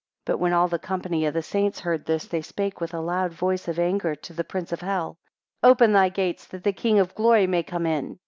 5 But when all the company of the saints heard this they spake with a loud voice of anger to the prince of hell, 6 Open thy gates, that the King of Glory may come in.